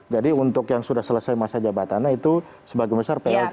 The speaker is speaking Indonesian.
jadi untuk yang sudah selesai masa jabatannya itu sebagian besar plt